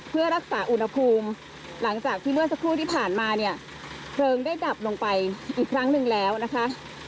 เพื่อรักษาอุณหภูมิหลังจากที่เมื่อสักครู่ที่ผ่านมาเนี่ยเพลิงได้ดับลงไปอีกครั้งหนึ่งแล้วนะคะ